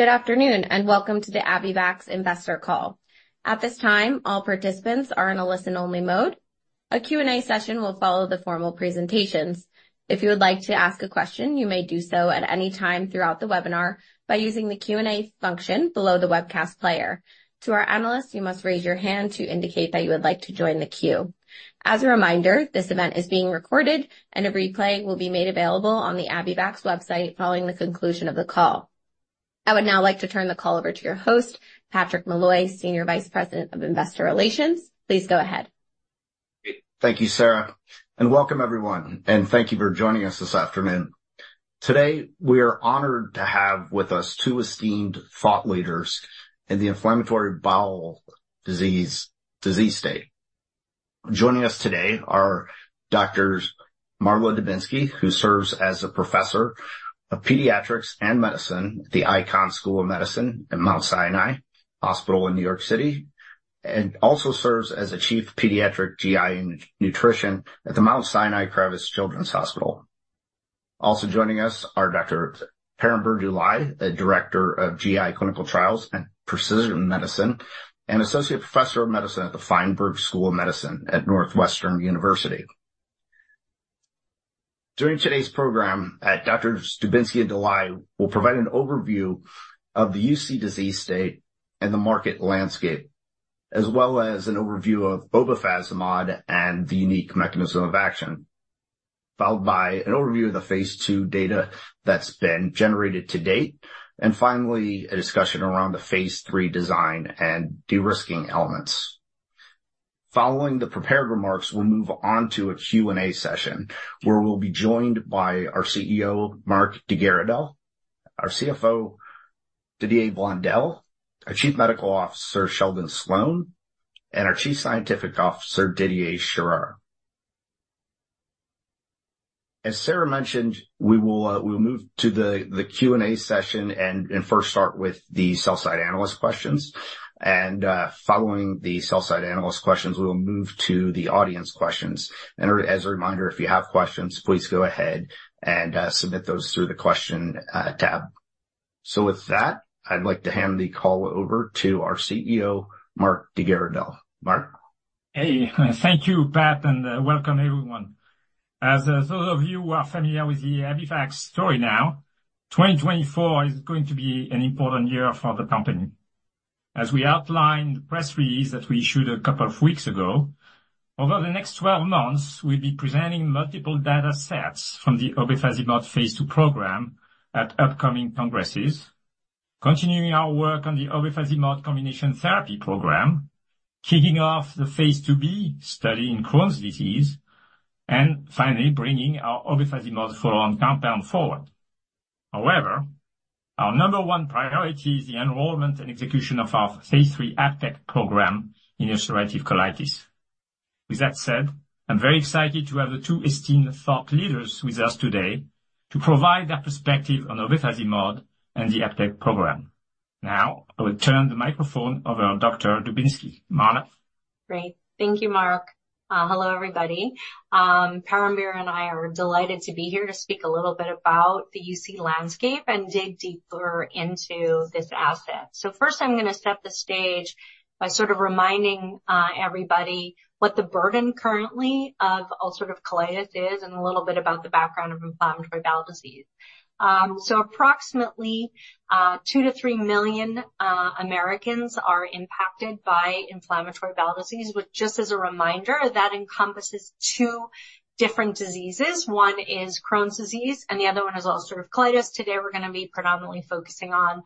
Good afternoon, and welcome to the Abivax Investor Call. At this time, all participants are in a listen-only mode. A Q&A session will follow the formal presentations. If you would like to ask a question, you may do so at any time throughout the webinar by using the Q&A function below the webcast player. To our analysts, you must raise your hand to indicate that you would like to join the queue. As a reminder, this event is being recorded and a replay will be made available on the Abivax website following the conclusion of the call. I would now like to turn the call over to your host, Patrick Malloy, Senior Vice President of Investor Relations. Please go ahead. Thank you, Sarah, and welcome everyone, and thank you for joining us this afternoon. Today, we are honored to have with us two esteemed thought leaders in the inflammatory bowel disease disease state. Joining us today are Doctors Marla Dubinsky, who serves as a professor of Pediatrics and Medicine at the Icahn School of Medicine at Mount Sinai Hospital in New York City, and also serves as a Chief Pediatric GI and Nutrition at the Mount Sinai Kravis Children's Hospital. Also joining us are Dr. Parambir Dulai, the Director of GI Clinical Trials and Precision Medicine, and Associate Professor of Medicine at the Feinberg School of Medicine at Northwestern University. During today's program, Doctors Dubinsky and Dulai will provide an overview of the UC disease state and the market landscape, as well as an overview of obefazimod and the unique mechanism of action, followed by an overview of the phase 2 data that's been generated to date. Finally, a discussion around the phase 3 design and de-risking elements. Following the prepared remarks, we'll move on to a Q&A session, where we'll be joined by our CEO, Marc de Garidel, our CFO, Didier Blondel, our Chief Medical Officer, Sheldon Sloan, and our Chief Scientific Officer, Didier Scherrer. As Sarah mentioned, we'll move to the Q&A session and first start with the sell-side analyst questions. Following the sell-side analyst questions, we will move to the audience questions. As a reminder, if you have questions, please go ahead and submit those through the question tab. So with that, I'd like to hand the call over to our CEO, Marc de Garidel. Marc? Hey, thank you, Pat, and welcome everyone. As those of you who are familiar with the Abivax story now, 2024 is going to be an important year for the company. As we outlined press release that we issued a couple of weeks ago, over the next 12 months, we'll be presenting multiple data sets from the obefazimod phase 2 program at upcoming congresses. Continuing our work on the obefazimod combination therapy program, kicking off the phase 2b study in Crohn's disease, and finally bringing our obefazimod follow-on compound forward. However, our number one priority is the enrollment and execution of our phase 3 ABTECT program in ulcerative colitis. With that said, I'm very excited to have the two esteemed thought leaders with us today to provide their perspective on obefazimod and the ABTECT program. Now, I will turn the microphone over to Dr. Dubinsky. Marla? Great. Thank you, Marc. Hello, everybody. Parambir and I are delighted to be here to speak a little bit about the UC landscape and dig deeper into this asset. So first, I'm gonna set the stage by sort of reminding everybody what the burden currently of ulcerative colitis is, and a little bit about the background of inflammatory bowel disease. So approximately 2-3 million Americans are impacted by inflammatory bowel disease, which just as a reminder, that encompasses two different diseases. One is Crohn's disease, and the other one is ulcerative colitis. Today, we're gonna be predominantly focusing on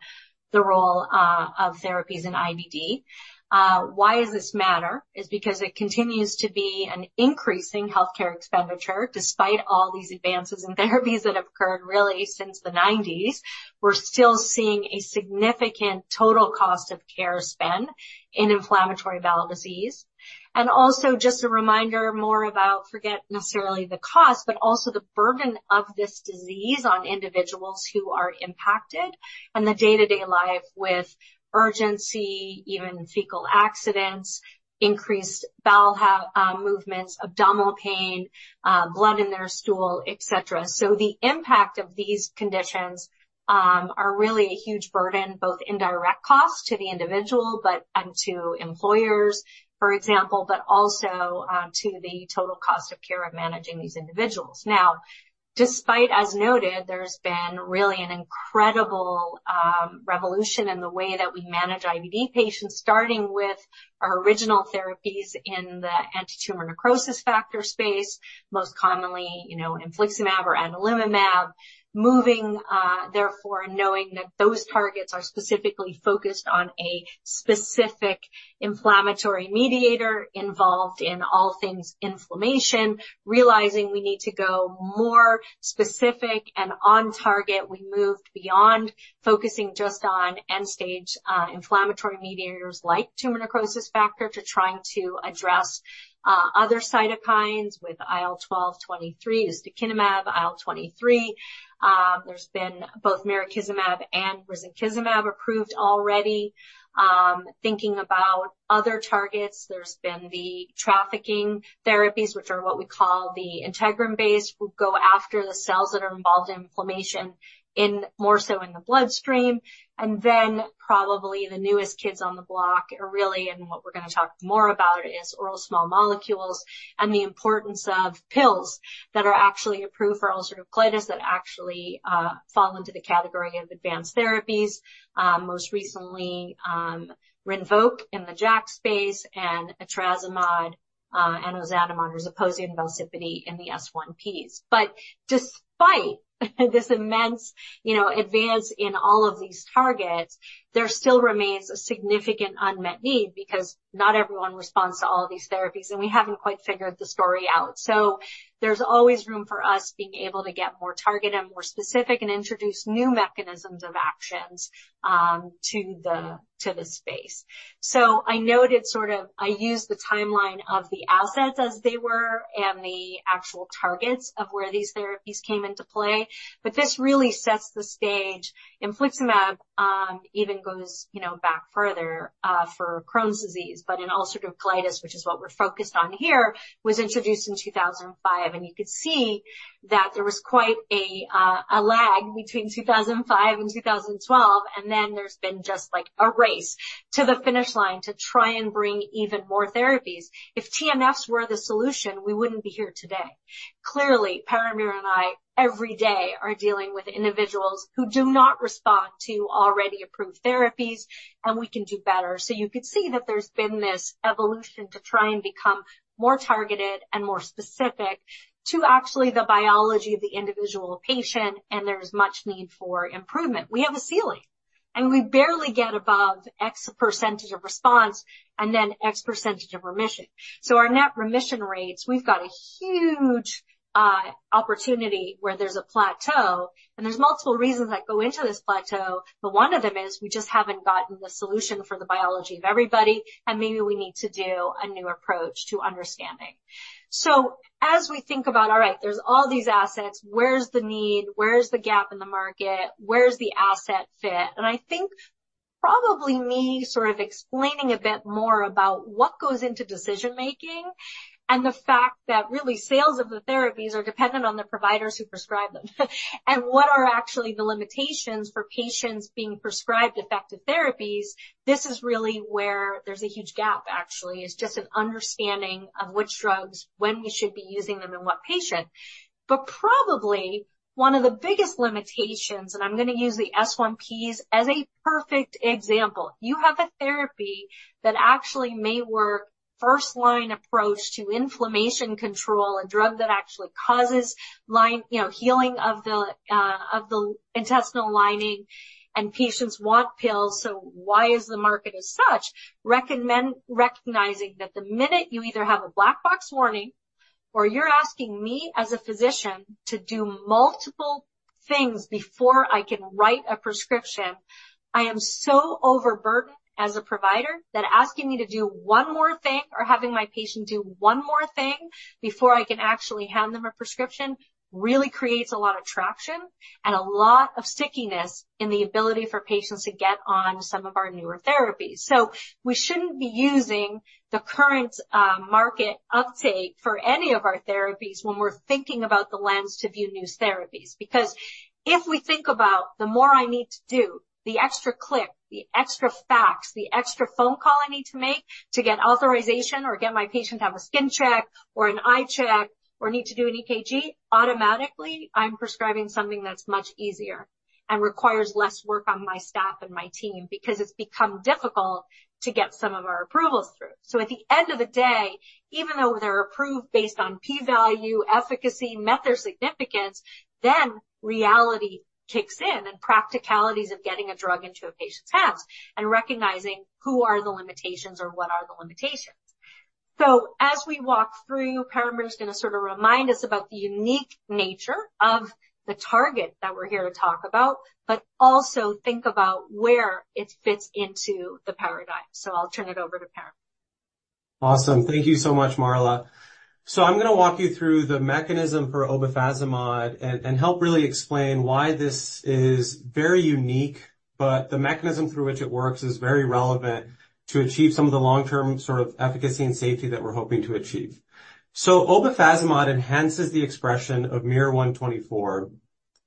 the role of therapies in IBD. Why does this matter? Is because it continues to be an increasing healthcare expenditure, despite all these advances in therapies that have occurred really since the 1990s. We're still seeing a significant total cost of care spend in inflammatory bowel disease. Also just a reminder, more about forget necessarily the cost, but also the burden of this disease on individuals who are impacted, and the day-to-day life with urgency, even fecal accidents, increased bowel movements, abdominal pain, blood in their stool, et cetera. So the impact of these conditions are really a huge burden, both in direct cost to the individual, but, and to employers, for example, but also to the total cost of care of managing these individuals. Now, despite, as noted, there's been really an incredible revolution in the way that we manage IBD patients, starting with our original therapies in the anti-tumor necrosis factor space, most commonly, you know, infliximab or adalimumab. Moving, therefore, knowing that those targets are specifically focused on a specific inflammatory mediator involved in all things inflammation, realizing we need to go more specific and on target, we moved beyond focusing just on end-stage, inflammatory mediators like tumor necrosis factor, to trying to address, other cytokines with IL-12, 23, ustekinumab, IL-23. There's been both mirikizumab and risankizumab approved already. Thinking about other targets, there's been the trafficking therapies, which are what we call the integrin-based, who go after the cells that are involved in inflammation, in more so in the bloodstream. And then probably the newest kids on the block are really, and what we're gonna talk more about, is oral small molecules and the importance of pills that are actually approved for ulcerative colitis that actually, fall into the category of advanced therapies. Most recently, Rinvoq in the JAK space and etrasimod and ozanimod as opposed to Velsipity in the S1Ps. But despite this immense, you know, advance in all of these targets, there still remains a significant unmet need, because not everyone responds to all of these therapies, and we haven't quite figured the story out. So there's always room for us being able to get more targeted and more specific and introduce new mechanisms of actions, to the space. So I noted sort of, I used the timeline of the assets as they were and the actual targets of where these therapies came into play, but this really sets the stage. Infliximab even goes, you know, back further, for Crohn's disease, but in ulcerative colitis, which is what we're focused on here, was introduced in 2005. You could see that there was quite a lag between 2005 and 2012, and then there's been just like, a race to the finish line to try and bring even more therapies. If TNFs were the solution, we wouldn't be here today. Clearly, Parambir and I, every day, are dealing with individuals who do not respond to already approved therapies, and we can do better. So you could see that there's been this evolution to try and become more targeted and more specific to actually the biology of the individual patient, and there's much need for improvement. We have a ceiling, and we barely get above X percentage of response and then X percentage of remission. So our net remission rates, we've got a huge opportunity where there's a plateau, and there's multiple reasons that go into this plateau. One of them is we just haven't gotten the solution for the biology of everybody, and maybe we need to do a new approach to understanding. As we think about all right, there's all these assets. Where's the need? Where's the gap in the market? Where's the asset fit? I think probably me sort of explaining a bit more about what goes into decision-making and the fact that really, sales of the therapies are dependent on the providers who prescribe them. What are actually the limitations for patients being prescribed effective therapies? This is really where there's a huge gap, actually, is just an understanding of which drugs, when we should be using them, and what patient. Probably one of the biggest limitations, and I'm gonna use the S1Ps as a perfect example. You have a therapy that actually may work, first-line approach to inflammation control, a drug that actually... You know, healing of the intestinal lining, and patients want pills, so why is the market as such? Recognizing that the minute you either have a black box warning or you're asking me as a physician to do multiple things before I can write a prescription, I am so overburdened as a provider that asking me to do one more thing or having my patient do one more thing before I can actually hand them a prescription, really creates a lot of traction and a lot of stickiness in the ability for patients to get on some of our newer therapies. So we shouldn't be using the current market uptake for any of our therapies when we're thinking about the lens to view new therapies. Because if we think about the more I need to do, the extra click, the extra fax, the extra phone call I need to make to get authorization or get my patient to have a skin check or an eye check or need to do an EKG, automatically, I'm prescribing something that's much easier and requires less work on my staff and my team because it's become difficult to get some of our approvals through. So at the end of the day, even though they're approved based on p-value, efficacy, method significance, then reality kicks in and practicalities of getting a drug into a patient's hands and recognizing who are the limitations or what are the limitations. So as we walk through, Parambir is gonna sort of remind us about the unique nature of the target that we're here to talk about, but also think about where it fits into the paradigm. I'll turn it over to Parambir. Awesome. Thank you so much, Marla. So I'm gonna walk you through the mechanism for obefazimod and help really explain why this is very unique. But the mechanism through which it works is very relevant to achieve some of the long-term sort of efficacy and safety that we're hoping to achieve. So obefazimod enhances the expression of miR-124,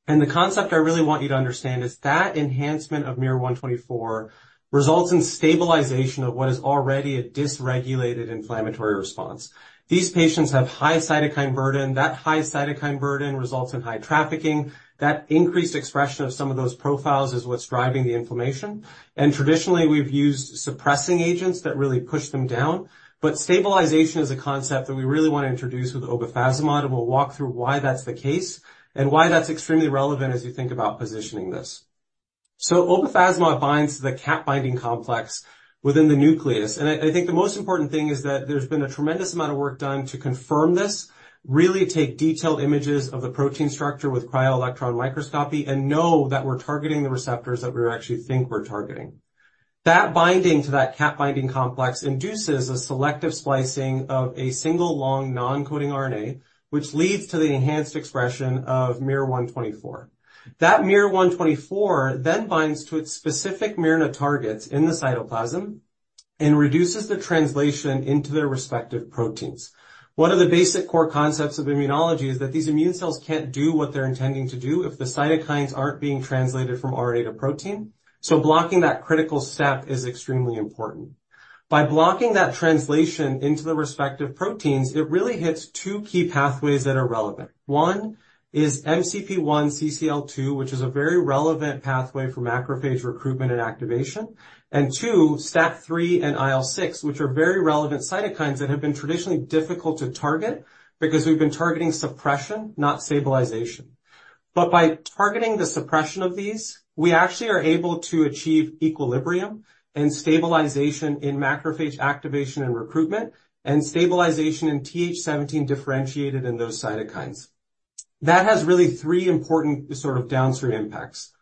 and the concept I really want you to understand is that enhancement of miR-124 results in stabilization of what is already a dysregulated inflammatory response. These patients have high cytokine burden. That high cytokine burden results in high trafficking. That increased expression of some of those profiles is what's driving the inflammation. Traditionally, we've used suppressing agents that really push them down, but stabilization is a concept that we really want to introduce with obefazimod, and we'll walk through why that's the case and why that's extremely relevant as you think about positioning this. So obefazimod binds the cap-binding complex within the nucleus, and I, I think the most important thing is that there's been a tremendous amount of work done to confirm this, really take detailed images of the protein structure with cryo-electron microscopy, and know that we're targeting the receptors that we actually think we're targeting. That binding to that cap-binding complex induces a selective splicing of a single long non-coding RNA, which leads to the enhanced expression of miR-124. That miR-124 then binds to its specific miRNA targets in the cytoplasm... and reduces the translation into their respective proteins. One of the basic core concepts of immunology is that these immune cells can't do what they're intending to do if the cytokines aren't being translated from RNA to protein. So blocking that critical step is extremely important. By blocking that translation into the respective proteins, it really hits two key pathways that are relevant. One is MCP-1, CCL2, which is a very relevant pathway for macrophage recruitment and activation. And two, STAT3 and IL-6, which are very relevant cytokines that have been traditionally difficult to target because we've been targeting suppression, not stabilization. But by targeting the suppression of these, we actually are able to achieve equilibrium and stabilization in macrophage activation and recruitment, and stabilization in Th17 differentiated in those cytokines. That has really three important sort of downstream impacts.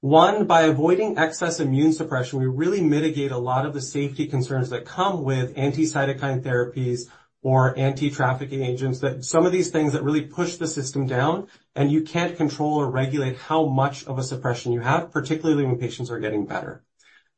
One, by avoiding excess immune suppression, we really mitigate a lot of the safety concerns that come with anti-cytokine therapies or anti-trafficking agents, that some of these things that really push the system down, and you can't control or regulate how much of a suppression you have, particularly when patients are getting better.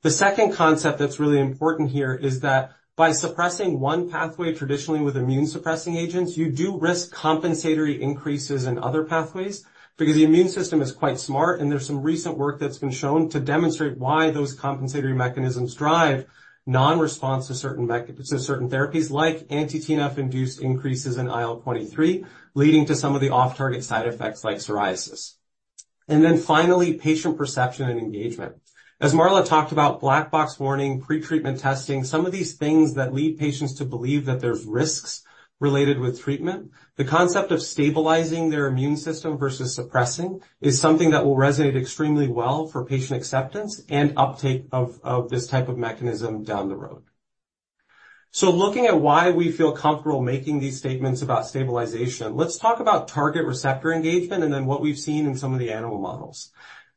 The second concept that's really important here is that by suppressing one pathway, traditionally with immune-suppressing agents, you do risk compensatory increases in other pathways. Because the immune system is quite smart, and there's some recent work that's been shown to demonstrate why those compensatory mechanisms drive non-response to certain therapies, like anti-TNF-induced increases in IL-23, leading to some of the off-target side effects like psoriasis. And then finally, patient perception and engagement. As Marla talked about, black box warning, pre-treatment testing, some of these things that lead patients to believe that there's risks related with treatment. The concept of stabilizing their immune system versus suppressing, is something that will resonate extremely well for patient acceptance and uptake of this type of mechanism down the road. So looking at why we feel comfortable making these statements about stabilization, let's talk about target receptor engagement and then what we've seen in some of the animal models.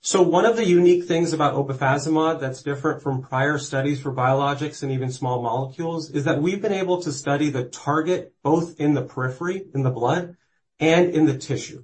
So one of the unique things about obefazimod that's different from prior studies for biologics and even small molecules, is that we've been able to study the target both in the periphery, in the blood, and in the tissue.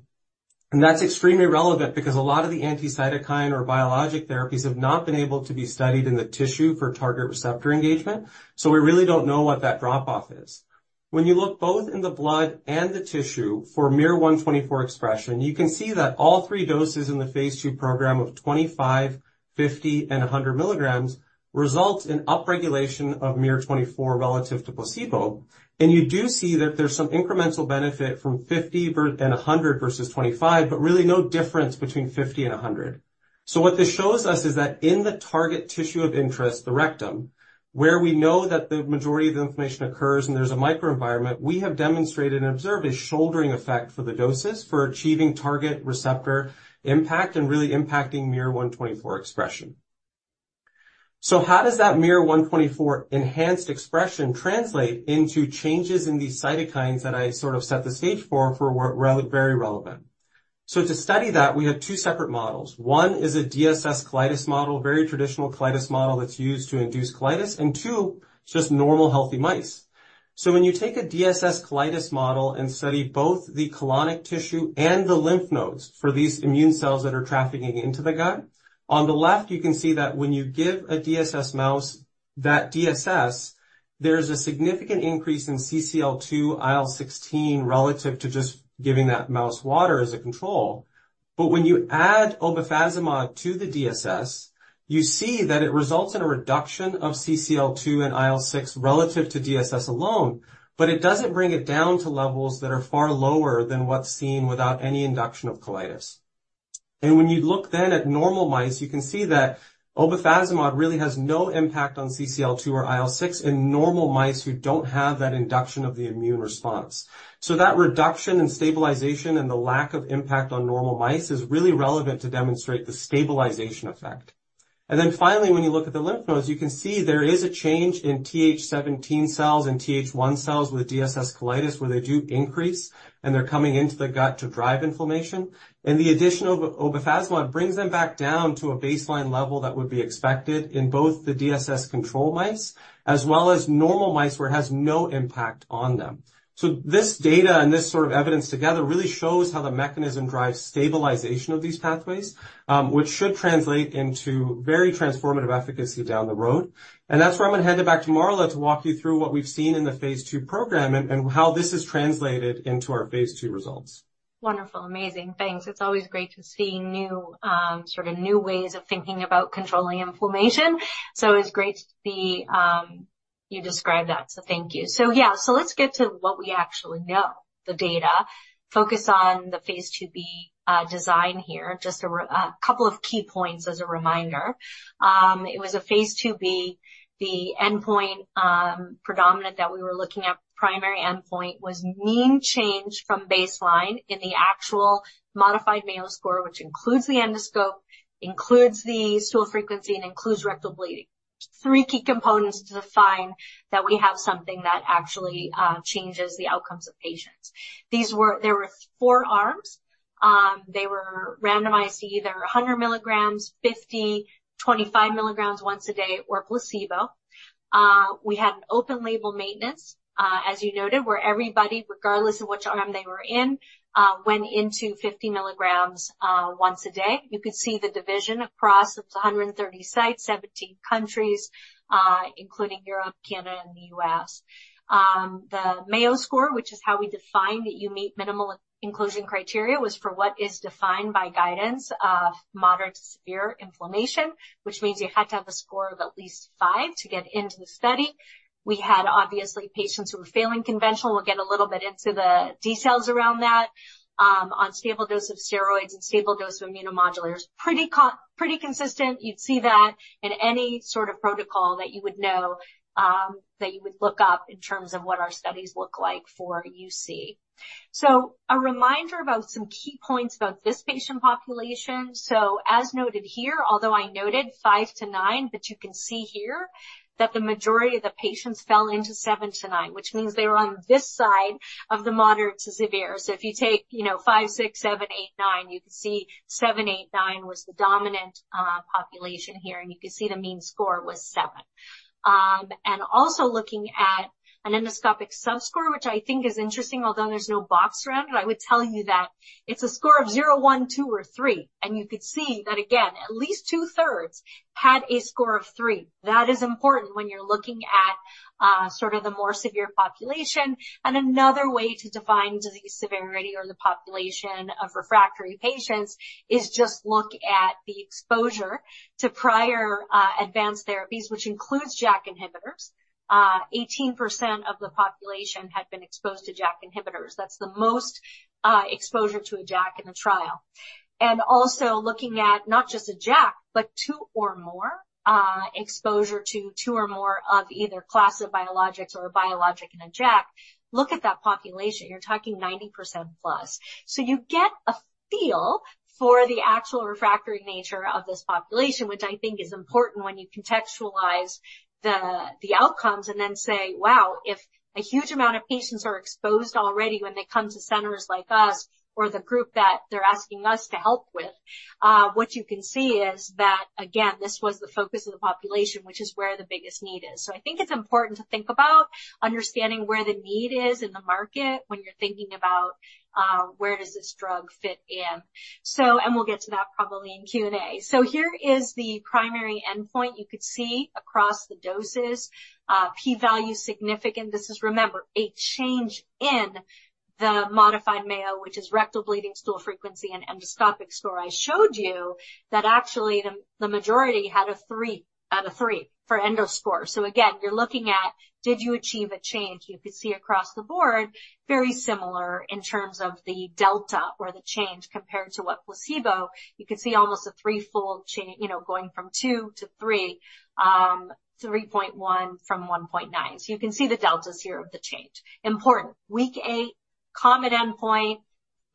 And that's extremely relevant because a lot of the anti-cytokine or biologic therapies have not been able to be studied in the tissue for target receptor engagement. So we really don't know what that drop-off is. When you look both in the blood and the tissue for miR-124 expression, you can see that all three doses in the phase 2 program of 25, 50, and 100 milligrams result in upregulation of miR-124 relative to placebo. And you do see that there's some incremental benefit from 50 and 100 versus 25, but really no difference between 50 and 100. So what this shows us is that in the target tissue of interest, the rectum, where we know that the majority of the inflammation occurs and there's a microenvironment, we have demonstrated and observed a shouldering effect for the doses for achieving target receptor impact and really impacting miR-124 expression. So how does that miR-124 enhanced expression translate into changes in these cytokines that I sort of set the stage for, which were very relevant? To study that, we have two separate models. One is a DSS colitis model, very traditional colitis model that's used to induce colitis, and two, just normal, healthy mice. So when you take a DSS colitis model and study both the colonic tissue and the lymph nodes for these immune cells that are trafficking into the gut, on the left, you can see that when you give a DSS mouse that DSS, there's a significant increase in CCL2, IL-16, relative to just giving that mouse water as a control. But when you add obefazimod to the DSS, you see that it results in a reduction of CCL2 and IL-6 relative to DSS alone, but it doesn't bring it down to levels that are far lower than what's seen without any induction of colitis. And when you look then at normal mice, you can see that obefazimod really has no impact on CCL2 or IL-6 in normal mice who don't have that induction of the immune response. So that reduction and stabilization and the lack of impact on normal mice is really relevant to demonstrate the stabilization effect. And then finally, when you look at the lymph nodes, you can see there is a change in Th17 cells and Th1 cells with DSS colitis, where they do increase, and they're coming into the gut to drive inflammation. And the additional obefazimod brings them back down to a baseline level that would be expected in both the DSS control mice as well as normal mice, where it has no impact on them. So this data and this sort of evidence together really shows how the mechanism drives stabilization of these pathways, which should translate into very transformative efficacy down the road. And that's where I'm gonna hand it back to Marla to walk you through what we've seen in the phase two program and how this is translated into our phase two results. Wonderful. Amazing. Thanks. It's always great to see new, sort of new ways of thinking about controlling inflammation. So it's great to see you describe that. So thank you. So yeah, so let's get to what we actually know, the data. Focus on the phase 2b design here. Just a couple of key points as a reminder. It was a phase 2b, the predominant endpoint that we were looking at primary endpoint was mean change from baseline in the actual modified Mayo Score, which includes the endoscopic, includes the stool frequency, and includes rectal bleeding. Three key components to define that we have something that actually changes the outcomes of patients. There were four arms. They were randomized to either 100 milligrams, 50, 25 milligrams once a day, or placebo. We had an open-label maintenance, as you noted, where everybody, regardless of which arm they were in, went into 50 milligrams once a day. You could see the division across. It's 130 sites, 17 countries, including Europe, Canada, and the U.S. The Mayo Score, which is how we define that you meet minimal inclusion criteria, was for what is defined by guidance of moderate to severe inflammation, which means you had to have a score of at least 5 to get into the study. We had, obviously, patients who were failing conventional. We'll get a little bit into the details around that. On stable dose of steroids and stable dose of immunomodulators. Pretty consistent. You'd see that in any sort of protocol that you would know, that you would look up in terms of what our studies look like for UC. So a reminder about some key points about this patient population. So as noted here, although I noted 5-9, but you can see here that the majority of the patients fell into 7-9, which means they were on this side of the moderate to severe. So if you take, you know, 5, 6, 7, 8, 9, you can see seven, eight, nine was the dominant population here, and you can see the mean score was seven. And also looking at an endoscopic subscore, which I think is interesting, although there's no box around it, I would tell you that it's a score of zero, one, two, or three. You could see that again, at least two-thirds had a score of three. That is important when you're looking at, sort of the more severe population. Another way to define disease severity or the population of refractory patients is just look at the exposure to prior, advanced therapies, which includes JAK inhibitor 18% of the population had been exposed to JAK inhibitors. That's the most exposure to a JAK in the trial. Also looking at not just a JAK, but two or more exposure to two or more of either class of biologics or a biologic and a JAK. Look at that population. You're talking 90%+. So you get a feel for the actual refractory nature of this population, which I think is important when you contextualize the outcomes and then say, "Wow, if a huge amount of patients are exposed already when they come to centers like us or the group that they're asking us to help with," what you can see is that, again, this was the focus of the population, which is where the biggest need is. So I think it's important to think about understanding where the need is in the market when you're thinking about where does this drug fit in. So... And we'll get to that probably in Q&A. So here is the primary endpoint you could see across the doses. P-value significant. This is, remember, a change in the modified Mayo, which is rectal bleeding, stool frequency, and endoscopic score. I showed you that actually, the majority had a 3/3 for endoscopy. So again, you're looking at: did you achieve a change? You could see across the board, very similar in terms of the delta or the change compared to what placebo. You could see almost a threefold change, you know, going from two to three, 3.1 from 1.9. So you can see the deltas here of the change. Important. Week eight, common endpoint,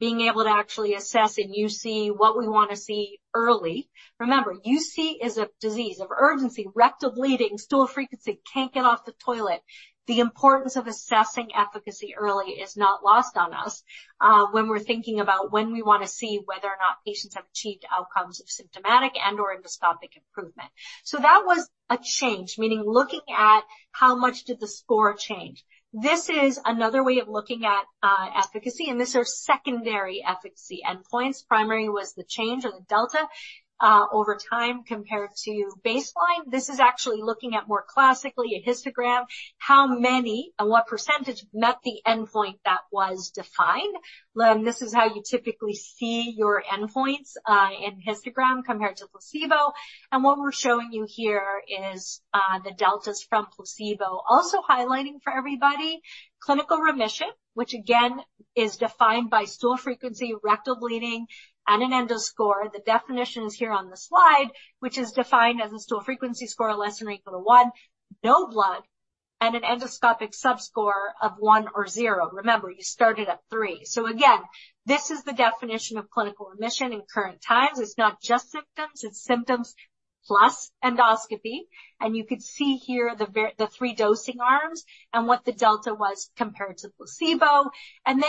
being able to actually assess in UC, what we wanna see early. Remember, UC is a disease of urgency, rectal bleeding, stool frequency, can't get off the toilet. The importance of assessing efficacy early is not lost on us, when we're thinking about when we wanna see whether or not patients have achieved outcomes of symptomatic and/or endoscopic improvement. So that was a change, meaning looking at how much did the score change. This is another way of looking at efficacy, and these are secondary efficacy endpoints. Primary was the change or the delta over time compared to baseline. This is actually looking at, more classically, a histogram, how many and what percentage met the endpoint that was defined. This is how you typically see your endpoints in histogram compared to placebo. And what we're showing you here is the deltas from placebo. Also highlighting for everybody, clinical remission, which again, is defined by stool frequency, rectal bleeding, and an endoscope. The definition is here on the slide, which is defined as a stool frequency score of less than or equal to one, no blood, and an endoscopic subscore of one or zero. Remember, you started at three. So again, this is the definition of clinical remission in current times. It's not just symptoms, it's symptoms plus endoscopy. And you could see here the three dosing arms and what the delta was compared to placebo. And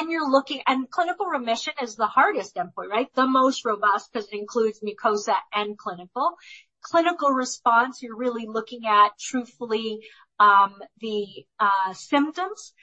clinical remission is the hardest endpoint, right? The most robust, 'cause it includes mucosa and clinical. Clinical response, you're really looking at, truthfully, the symptoms,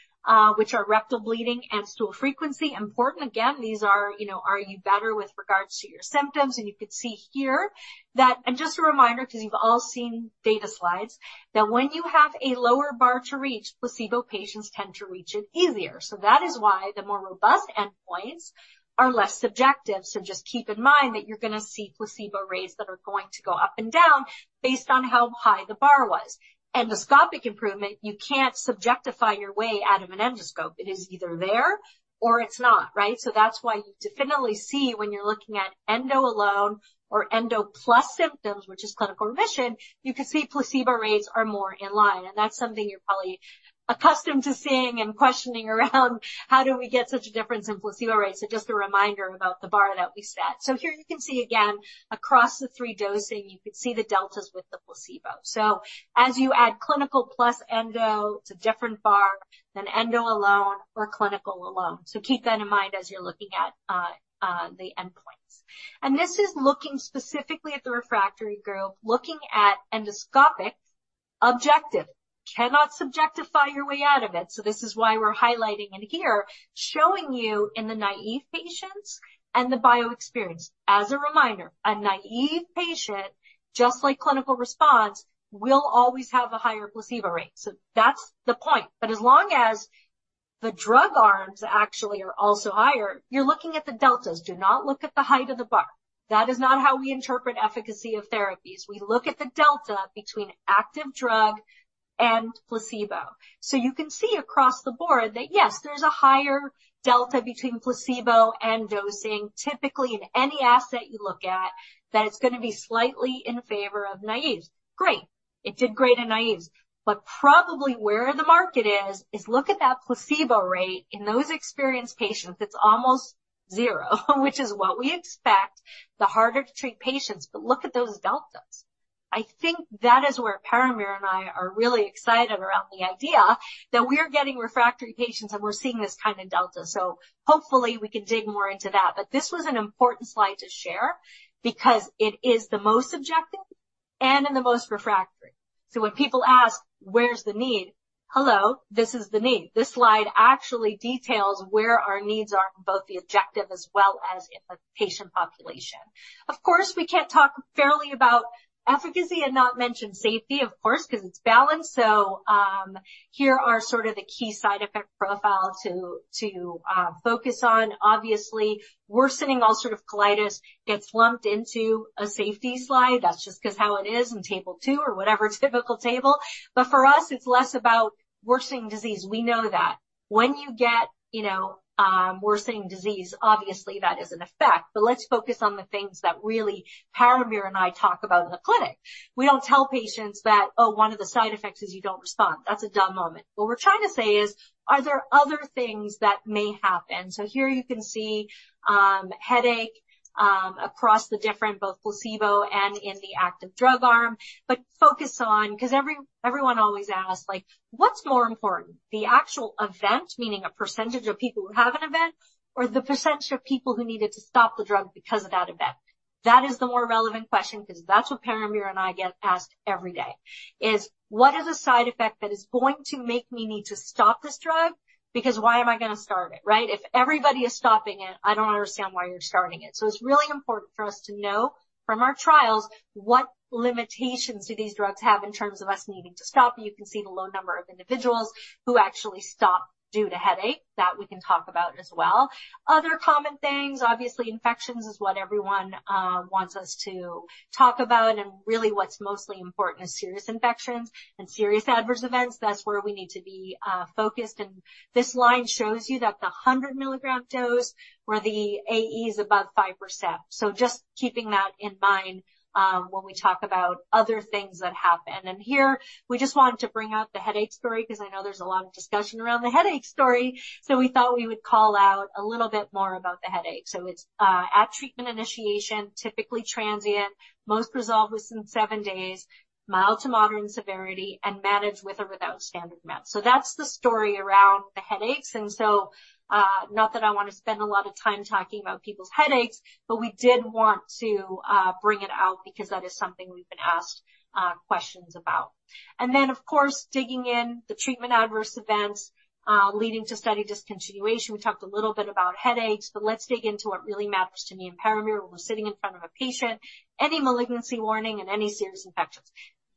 which are rectal bleeding and stool frequency. Important, again, these are, you know, are you better with regards to your symptoms? And you could see here that... And just a reminder, because you've all seen data slides, that when you have a lower bar to reach, placebo patients tend to reach it easier. So that is why the more robust endpoints are less subjective. So just keep in mind that you're gonna see placebo rates that are going to go up and down based on how high the bar was. Endoscopic improvement, you can't subjectify your way out of an endoscope. It is either there or it's not, right? So that's why you definitely see when you're looking at endo alone or endo plus symptoms, which is clinical remission, you can see placebo rates are more in line. And that's something you're probably accustomed to seeing and questioning around, "How do we get such a difference in placebo rates?" So just a reminder about the bar that we set. So here you can see, again, across the three dosing, you can see the deltas with the placebo. So as you add clinical plus endo, it's a different bar than endo alone or clinical alone. So keep that in mind as you're looking at the endpoints. And this is looking specifically at the refractory group, looking at endoscopic objective. Cannot subjectify your way out of it. So this is why we're highlighting it here, showing you in the naive patients and the bio experienced. As a reminder, a naive patient, just like clinical response, will always have a higher placebo rate. So that's the point. But as long as the drug arms actually are also higher, you're looking at the deltas. Do not look at the height of the bar. That is not how we interpret efficacy of therapies. We look at the delta between active drug and placebo. So you can see across the board that, yes, there's a higher delta between placebo and dosing, typically in any asset you look at, that it's gonna be slightly in favor of naives. Great, it did great in naïves, but probably where the market is, is look at that placebo rate in those experienced patients; it's almost zero, which is what we expect, the harder to treat patients. But look at those deltas. I think that is where Parambir and I are really excited around the idea that we're getting refractory patients, and we're seeing this kind of delta. So hopefully we can dig more into that. But this was an important slide to share because it is the most objective and in the most refractory. So when people ask, "Where's the need?" Hello, this is the need. This slide actually details where our needs are in both the objective as well as in the patient population. Of course, we can't talk fairly about efficacy and not mention safety, of course, 'cause it's balanced. So, here are sort of the key side effect profile to focus on. Obviously, worsening ulcerative colitis gets lumped into a safety slide. That's just 'cause how it is in table two or whatever typical table. But for us, it's less about worsening disease. We know that when you get, you know, worsening disease, obviously, that is an effect. But let's focus on the things that really Parambir and I talk about in the clinic. We don't tell patients that, "Oh, one of the side effects is you don't respond." That's a dumb moment. What we're trying to say is, are there other things that may happen? So here you can see, headache, across the different, both placebo and in the active drug arm. But focus on 'cause every, everyone always asks, like, "What's more important, the actual event, meaning a percentage of people who have an event, or the percentage of people who needed to stop the drug because of that event?" That is the more relevant question, 'cause that's what Parambir and I get asked every day, is, "What is a side effect that is going to make me need to stop this drug? Because why am I gonna start it, right? If everybody is stopping it, I don't understand why you're starting it." So it's really important for us to know from our trials, what limitations do these drugs have in terms of us needing to stop? You can see the low number of individuals who actually stop due to headache. That we can talk about as well. Other common things, obviously, infections is what everyone wants us to talk about, and really what's mostly important is serious infections and serious adverse events. That's where we need to be focused. And this line shows you that the 100-milligram dose were the AEs above 5%. So just keeping that in mind, when we talk about other things that happen. And here we just wanted to bring out the headache story, 'cause I know there's a lot of discussion around the headache story. So we thought we would call out a little bit more about the headache. So it's at treatment initiation, typically transient, most resolved within seven days, mild to moderate severity, and managed with or without standard meds. So that's the story around the headaches. And so, not that I wanna spend a lot of time talking about people's headaches, but we did want to bring it out because that is something we've been asked questions about. And then, of course, digging in the treatment adverse events leading to study discontinuation. We talked a little bit about headaches, but let's dig into what really matters to me and Parambir when we're sitting in front of a patient, any malignancy warning and any serious infections.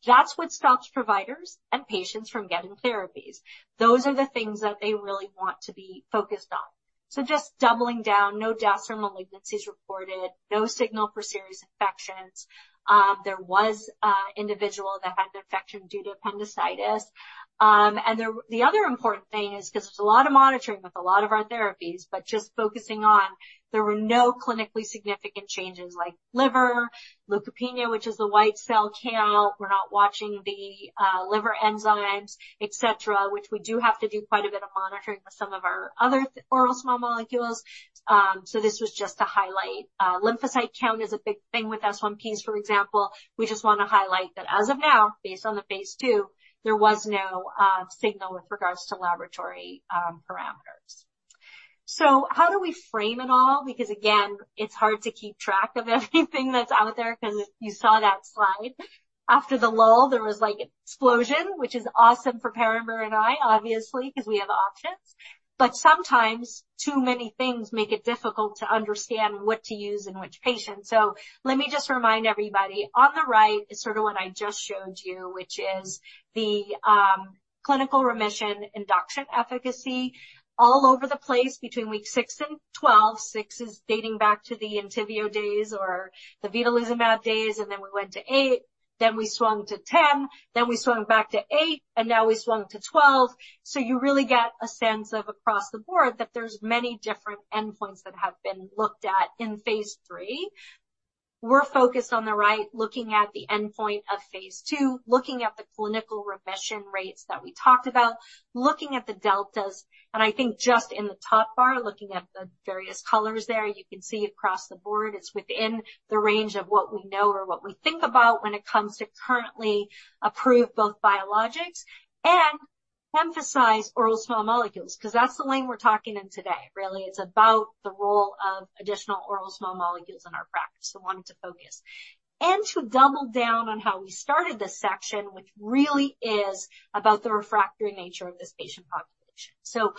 That's what stops providers and patients from getting therapies. Those are the things that they really want to be focused on. So just doubling down, no deaths or malignancies reported, no signal for serious infections. There was individual that had an infection due to appendicitis. The other important thing is, 'cause there's a lot of monitoring with a lot of our therapies, but just focusing on there were no clinically significant changes like liver, leukopenia, which is the white cell count. We're not watching the liver enzymes, et cetera, which we do have to do quite a bit of monitoring with some of our other oral small molecules. So this was just to highlight. Lymphocyte count is a big thing with S1Ps, for example. We just wanna highlight that as of now, based on the phase 2, there was no signal with regards to laboratory parameters. So how do we frame it all? Because, again, it's hard to keep track of everything that's out there, 'cause you saw that slide. After the lull, there was, like, an explosion, which is awesome for Parambir and I, obviously, 'cause we have options. But sometimes too many things make it difficult to understand what to use in which patient. So let me just remind everybody, on the right is sort of what I just showed you, which is the clinical remission induction efficacy all over the place between weeks six and 12. 6 is dating back to the Entyvio days or the vedolizumab days, and then we went to eight, then we swung to 10, then we swung back to eight, and now we've swung to 12. So you really get a sense of across the board that there's many different endpoints that have been looked at in phase 3. We're focused on the right, looking at the endpoint of phase II, looking at the clinical remission rates that we talked about, looking at the deltas. And I think just in the top bar, looking at the various colors there, you can see across the board it's within the range of what we know or what we think about when it comes to currently approved, both biologics and emphasize oral small molecules, because that's the lane we're talking in today. Really, it's about the role of additional oral small molecules in our practice. So I wanted to focus and to double down on how we started this section, which really is about the refractory nature of this patient population. So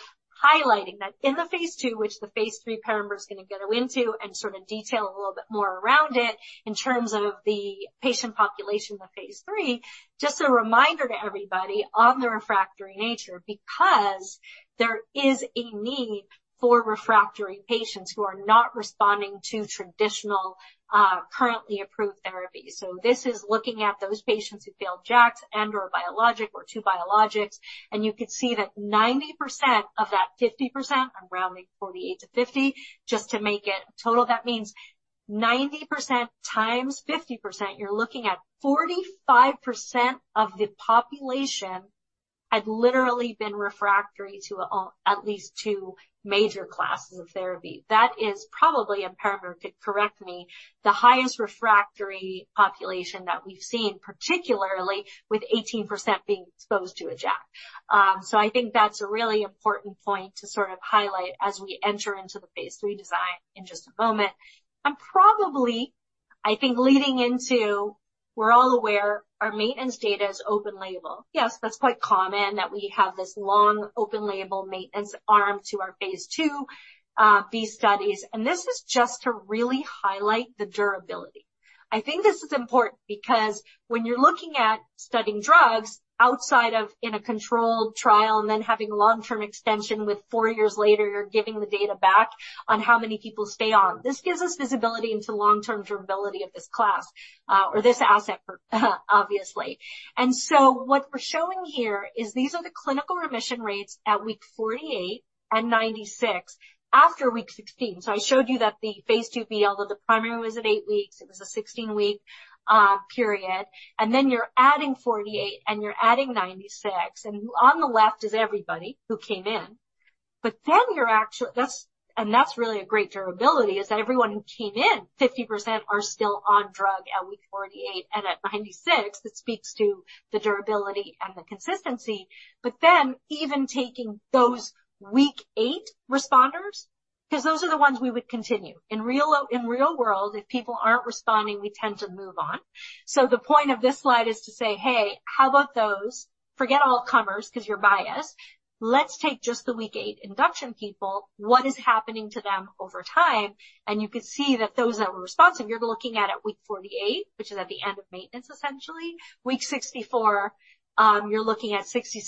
highlighting that in the phase 2, which the phase 3 program is going to go into, and sort of detail a little bit more around it in terms of the patient population, the phase 3. Just a reminder to everybody on the refractory nature, because there is a need for refractory patients who are not responding to traditional, currently approved therapies. So this is looking at those patients who failed JAKs and/or biologic or two biologics, and you can see that 90% of that 50%, I'm rounding 48-50, just to make it a total. That means 90% times 50%, you're looking at 45% of the population had literally been refractory to, at least two major classes of therapy. That is probably, and Parambir could correct me, the highest refractory population that we've seen, particularly with 18% being exposed to a JAK. So I think that's a really important point to sort of highlight as we enter into the Phase 3 design in just a moment. And probably, I think, leading into, we're all aware our maintenance data is open-label. Yes, that's quite common that we have this long, open-label maintenance arm to our Phase 2 these studies. And this is just to really highlight the durability. I think this is important because when you're looking at studying drugs outside of in a controlled trial and then having long-term extension with 4 years later, you're giving the data back on how many people stay on. This gives us visibility into long-term durability of this class, or this asset for, obviously. And so what we're showing here is these are the clinical remission rates at Week 48 and 96, after Week 16. So I showed you that the Phase 2 BL, though the primary was at eight weeks, it was a 16-week period. And then you're adding 48, and you're adding 96, and on the left is everybody who came in. But then you're actually... That's, and that's really a great durability, is that everyone who came in, 50% are still on drug at Week 48 and at 96. That speaks to the durability and the consistency. But then even taking those Week 8 responders, because those are the ones we would continue. In real world, if people aren't responding, we tend to move on. So the point of this slide is to say, "Hey, how about those? Forget all comers, because you're biased. Let's take just the Week 8 induction people. What is happening to them over time?" And you can see that those that were responsive, you're looking at, at Week 48, which is at the end of maintenance, essentially. Week 64, you're looking at 66%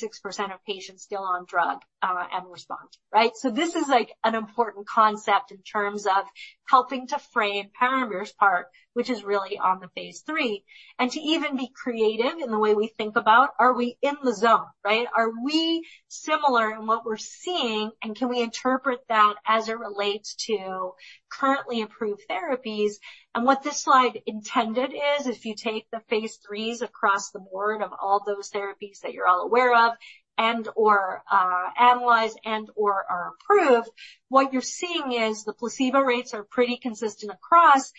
of patients still on drug, and response, right? So this is, like, an important concept in terms of helping to frame Parambir's part, which is really on the phase 3, and to even be creative in the way we think about, are we in the zone, right? Are we similar in what we're seeing, and can we interpret that as it relates to currently approved therapies? What this slide intended is, if you take the Phase 3s across the board of all those therapies that you're all aware of and/or analyzed and/or are approved, what you're seeing is the placebo rates are pretty consistent across.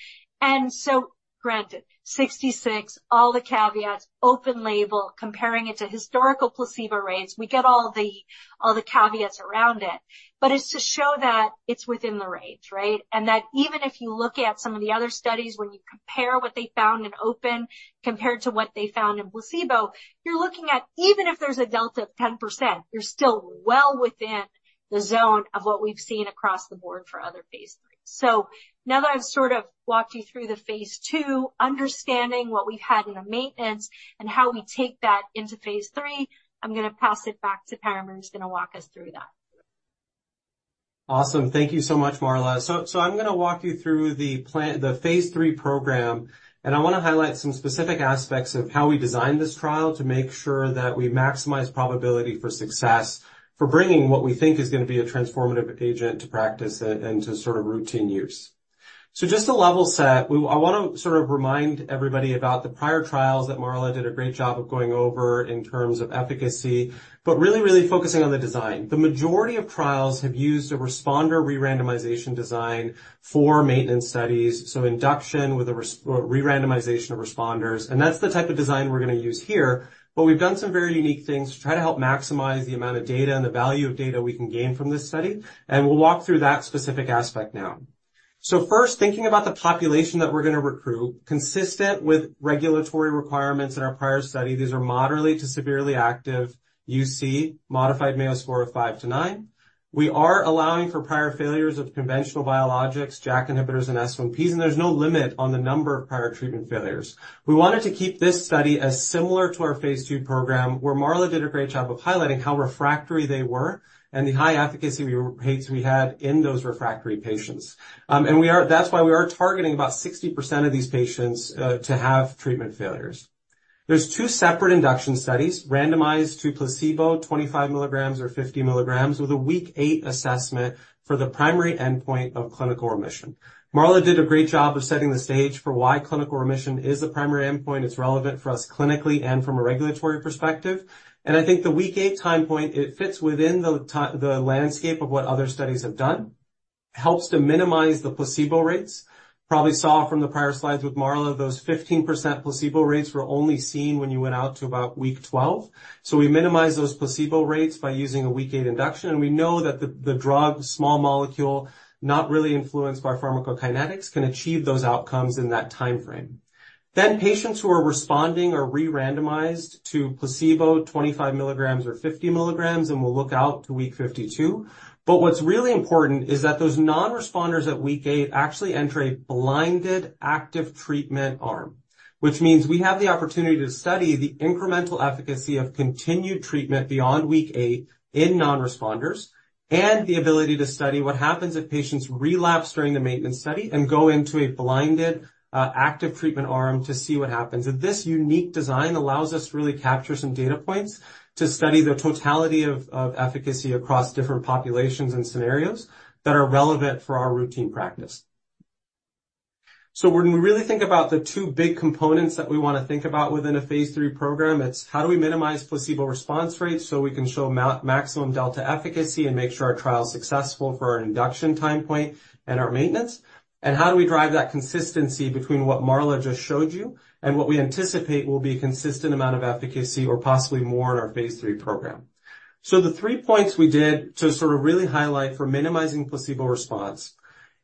So granted, 66, all the caveats, open label, comparing it to historical placebo rates, we get all the, all the caveats around it. But it's to show that it's within the range, right? And that even if you look at some of the other studies, when you compare what they found in open compared to what they found in placebo, you're looking at even if there's a delta of 10%, you're still well within the zone of what we've seen across the board for other Phase 3s. Now that I've sort of walked you through the phase 2, understanding what we've had in the maintenance and how we take that into phase 3, I'm going to pass it back to Parambir, who's going to walk us through that. Awesome. Thank you so much, Marla. So, so I'm going to walk you through the plan, the phase 3 program, and I want to highlight some specific aspects of how we designed this trial to make sure that we maximize probability for success, for bringing what we think is going to be a transformative agent to practice and to sort of routine use. So just to level set, we, I want to sort of remind everybody about the prior trials that Marla did a great job of going over in terms of efficacy, but really, really focusing on the design. The majority of trials have used a responder re-randomization design for maintenance studies, so induction with a re-randomization of responders, and that's the type of design we're going to use here. But we've done some very unique things to try to help maximize the amount of data and the value of data we can gain from this study, and we'll walk through that specific aspect now. So first, thinking about the population that we're going to recruit, consistent with regulatory requirements in our prior study, these are moderately to severely active UC, modified Mayo Score of 5-9. We are allowing for prior failures of conventional biologics, JAK inhibitors, and S1Ps, and there's no limit on the number of prior treatment failures. We wanted to keep this study as similar to our phase 2 program, where Marla did a great job of highlighting how refractory they were and the high efficacy rates we had in those refractory patients. And we are targeting about 60% of these patients to have treatment failures. are two separate induction studies, randomized to placebo, 25 milligrams or 50 milligrams, with a Week 8 assessment for the primary endpoint of clinical remission. Marla did a great job of setting the stage for why clinical remission is the primary endpoint. It's relevant for us clinically and from a regulatory perspective. And I think the Week 8 time point, it fits within the the landscape of what other studies have done, helps to minimize the placebo rates. Probably saw from the prior slides with Marla, those 15% placebo rates were only seen when you went out to about Week 12. So we minimize those placebo rates by using a Week 8 induction, and we know that the, the drug, small molecule, not really influenced by pharmacokinetics, can achieve those outcomes in that timeframe. Then, patients who are responding are re-randomized to placebo, 25 milligrams or 50 milligrams, and we'll look out to Week 52. But what's really important is that those non-responders at Week 8 actually enter a blinded, active treatment arm, which means we have the opportunity to study the incremental efficacy of continued treatment beyond Week in non-responders, and the ability to study what happens if patients relapse during the maintenance study and go into a blinded, active treatment arm to see what happens. And this unique design allows us to really capture some data points to study the totality of efficacy across different populations and scenarios that are relevant for our routine practice. So when we really think about the two big components that we want to think about within a phase 3 program, it's how do we minimize placebo response rates so we can show maximum delta efficacy and make sure our trial is successful for our induction time point and our maintenance? And how do we drive that consistency between what Marla just showed you and what we anticipate will be a consistent amount of efficacy or possibly more in our phase 3 program? So the three points we did to sort of really highlight for minimizing placebo response.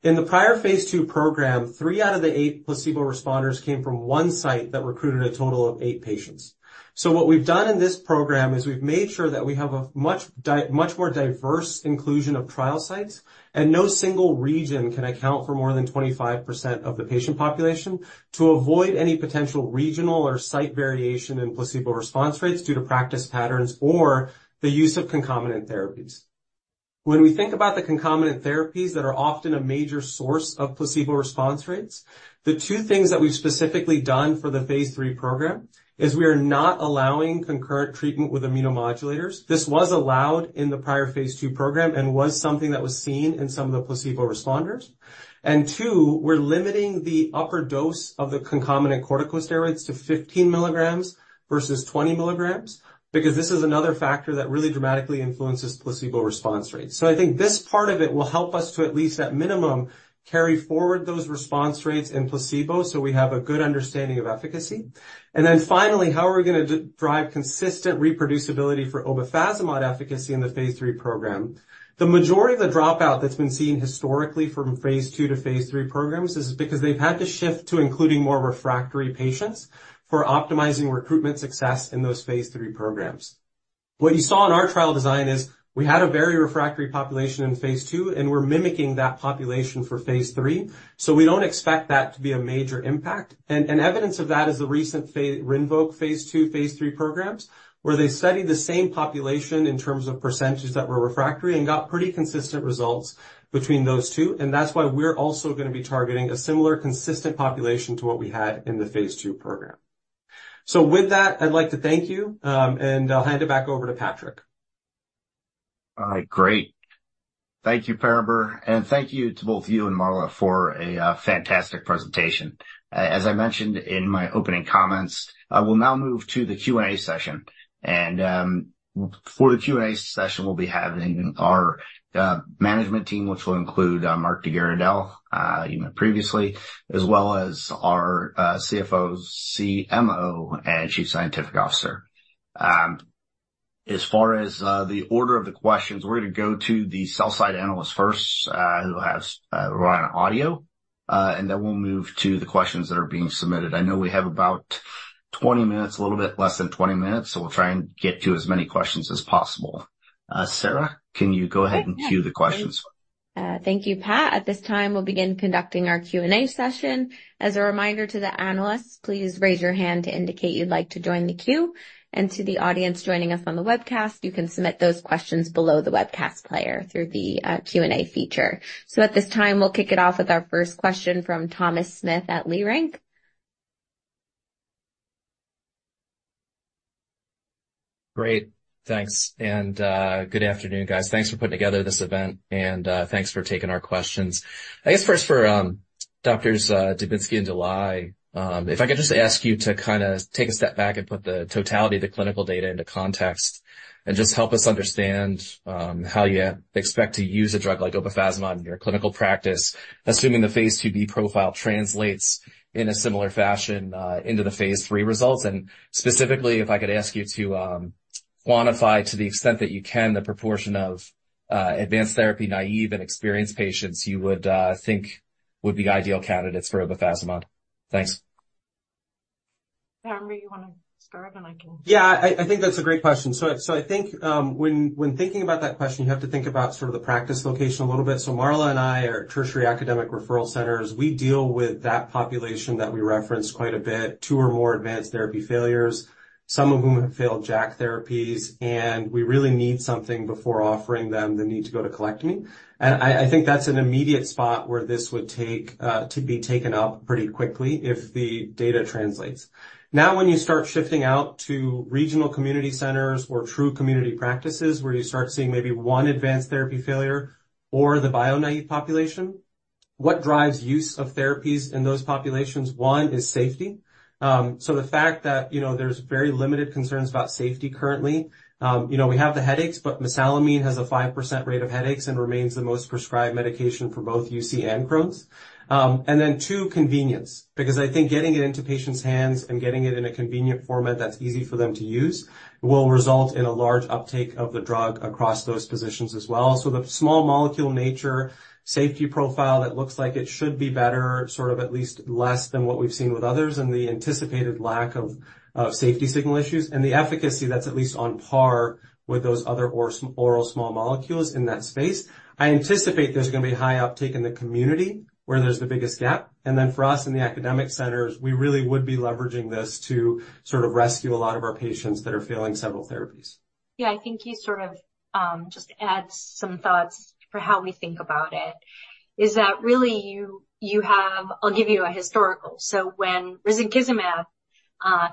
In the prior phase 2 program, three out of the eight placebo responders came from one site that recruited a total of eight patients. So what we've done in this program is we've made sure that we have a much more diverse inclusion of trial sites, and no single region can account for more than 25% of the patient population to avoid any potential regional or site variation in placebo response rates due to practice patterns or the use of concomitant therapies. When we think about the concomitant therapies that are often a major source of placebo response rates, the two things that we've specifically done for the phase 3 program is we are not allowing concurrent treatment with immunomodulators. This was allowed in the prior phase 2 program and was something that was seen in some of the placebo responders. And two, we're limiting the upper dose of the concomitant corticosteroids to 15 mg versus 20 mg because this is another factor that really dramatically influences placebo response rates. So I think this part of it will help us to, at least at minimum, carry forward those response rates in placebo, so we have a good understanding of efficacy. And then finally, how are we going to drive consistent reproducibility for obefazimod efficacy in the phase 3 program? The majority of the dropout that's been seen historically from phase 2 to phase 3 programs is because they've had to shift to including more refractory patients for optimizing recruitment success in those phase 3 programs. What you saw in our trial design is we had a very refractory population in phase 2, and we're mimicking that population for phase 3, so we don't expect that to be a major impact. Evidence of that is the recent RINVOQ phase 2, phase 3 programs, where they studied the same population in terms of percentages that were refractory and got pretty consistent results between those two. That's why we're also going to be targeting a similar consistent population to what we had in the phase 2 program. With that, I'd like to thank you, and I'll hand it back over to Patrick. All right, great. Thank you, Parambir, and thank you to both you and Marla for a fantastic presentation. As I mentioned in my opening comments, I will now move to the Q&A session. For the Q&A session, we'll be having our management team, which will include Marc de Garidel, you met previously, as well as our CFO, CMO, and Chief Scientific Officer. As far as the order of the questions, we're going to go to the sell-side analyst first, who has, we're on audio, and then we'll move to the questions that are being submitted. I know we have about 20 minutes, a little bit less than 20 minutes, so we'll try and get to as many questions as possible. Sarah, can you go ahead and queue the questions? Thank you, Pat. At this time, we'll begin conducting our Q&A session. As a reminder to the analysts, please raise your hand to indicate you'd like to join the queue. And to the audience joining us on the webcast, you can submit those questions below the webcast player through the Q&A feature. So at this time, we'll kick it off with our first question from Thomas Smith at Leerink. Great, thanks. Good afternoon, guys. Thanks for putting together this event, and, thanks for taking our questions. I guess first for, Doctors Dubinsky and Dulai, if I could just ask you to kind of take a step back and put the totality of the clinical data into context, and just help us understand, how you expect to use a drug like obefazimod in your clinical practice, assuming the phase 2b profile translates in a similar fashion, into the phase 3 results. And specifically, if I could ask you to, quantify, to the extent that you can, the proportion of, advanced therapy-naive and experienced patients you would, think would be ideal candidates for obefazimod. Thanks. Parambir, you want to start, and I can- Yeah, I, I think that's a great question. So, so I think, when, when thinking about that question, you have to think about sort of the practice location a little bit. So Marla and I are at tertiary academic referral centers. We deal with that population that we referenced quite a bit, two or more advanced therapy failures, some of whom have failed JAK therapies, and we really need something before offering them the need to go to colectomy. And I, I think that's an immediate spot where this would take, to be taken up pretty quickly if the data translates. Now, when you start shifting out to regional community centers or true community practices, where you start seeing maybe one advanced therapy failure or the bio-naive population-... What drives use of therapies in those populations? One is safety. So the fact that, you know, there's very limited concerns about safety currently. You know, we have the headaches, but mesalamine has a 5% rate of headaches and remains the most prescribed medication for both UC and Crohn's. And then, two, convenience, because I think getting it into patients' hands and getting it in a convenient format that's easy for them to use, will result in a large uptake of the drug across those positions as well. So the small molecule nature, safety profile that looks like it should be better, sort of at least less than what we've seen with others, and the anticipated lack of safety signal issues and the efficacy that's at least on par with those other oral small molecules in that space. I anticipate there's going to be high uptake in the community, where there's the biggest gap. Then for us in the academic centers, we really would be leveraging this to sort of rescue a lot of our patients that are failing several therapies. Yeah, I think you sort of just add some thoughts for how we think about it. Is that really you, you have... I'll give you a historical. So when risankizumab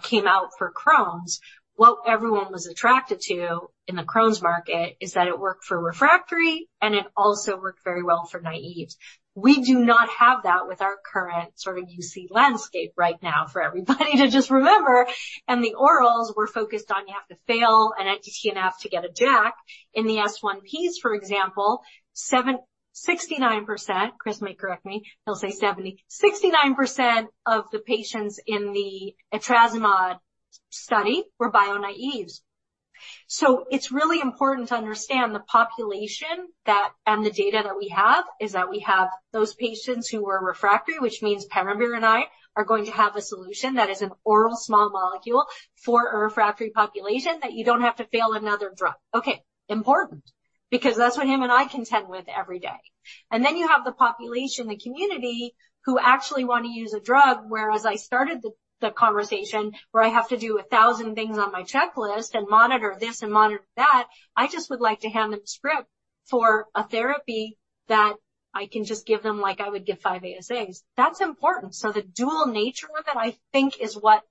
came out for Crohn's, what everyone was attracted to in the Crohn's market is that it worked for refractory, and it also worked very well for naive. We do not have that with our current sort of UC landscape right now, for everybody to just remember. And the orals we're focused on, you have to fail an anti-TNF to get a JAK. In the S1Ps, for example, 69%, Chris may correct me, he'll say 70. 69% of the patients in the etrasimod study were bio-naive. So it's really important to understand the population that, and the data that we have, is that we have those patients who were refractory, which means Parambir and I are going to have a solution that is an oral small molecule for a refractory population, that you don't have to fail another drug. Okay, important, because that's what him and I contend with every day. And then you have the population, the community, who actually want to use a drug, whereas I started the conversation, where I have to do 1,000 things on my checklist and monitor this and monitor that, I just would like to hand them a script for a therapy that I can just give them like I would give 5-ASAs. That's important. So the dual nature of it, I think, is what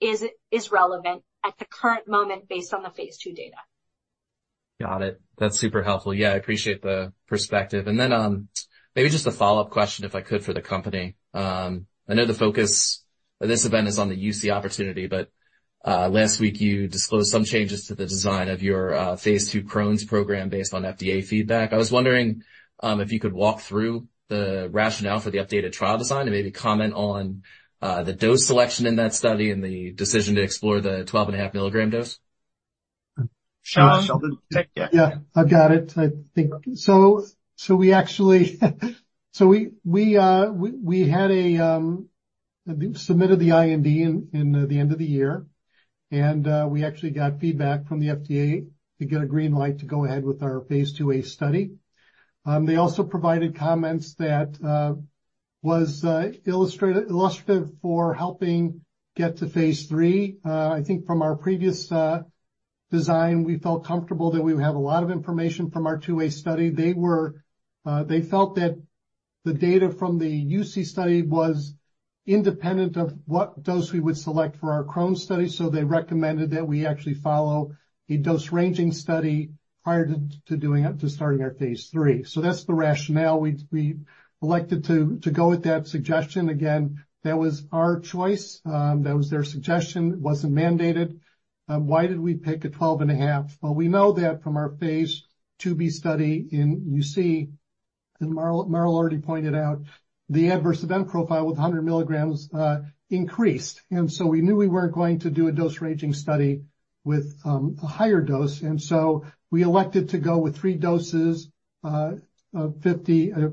is relevant at the current moment, based on the phase 2 data. Got it. That's super helpful. Yeah, I appreciate the perspective. Maybe just a follow-up question, if I could, for the company. I know the focus of this event is on the UC opportunity, but last week, you disclosed some changes to the design of your phase 2 Crohn's program based on FDA feedback. I was wondering if you could walk through the rationale for the updated trial design and maybe comment on the dose selection in that study and the decision to explore the 12.5 milligram dose? Sure. Sheldon? Yeah, I've got it. I think... So we actually had submitted the IND in the end of the year, and we actually got feedback from the FDA to get a green light to go ahead with our phase 2a study. They also provided comments that was illustrative for helping get to phase 3. I think from our previous design, we felt comfortable that we would have a lot of information from our 2a study. They felt that the data from the UC study was independent of what dose we would select for our Crohn's study, so they recommended that we actually follow a dose-ranging study prior to starting our phase 3. So that's the rationale. We elected to go with that suggestion. Again, that was our choice. That was their suggestion. It wasn't mandated. Why did we pick a 12.5? Well, we know that from our phase 2b study in UC, and Marla already pointed out, the adverse event profile with 100 mg increased. And so we knew we weren't going to do a dose-ranging study with a higher dose, and so we elected to go with three doses, 50, 25,